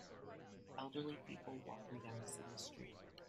Elderly people walking down a city street.